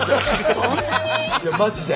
いやマジで。